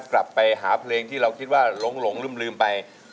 กลับไปหาเพลงที่เราคิดว่าหลงลืมไป